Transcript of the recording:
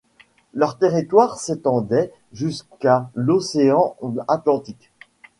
Leurs territoires s'étendaient jusqu'à l'Océan Atlantique.